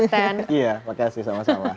iya terima kasih sama sama